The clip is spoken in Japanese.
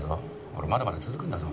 これまだまだ続くんだぞ。